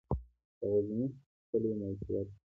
د غزنی کلی موقعیت